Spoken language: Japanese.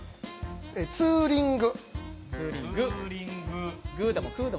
ツーリング。